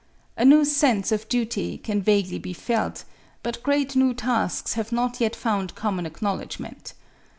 A new sense of duty can vaguely be felt, but great new tasks have not yet found common acknowledgment.